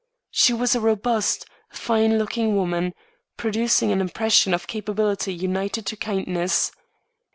She was a robust, fine looking woman, producing an impression of capability united to kindness.